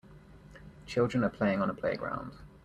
Children are playing on a playground.